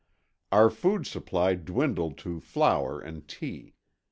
Our food supply dwindled to flour and tea.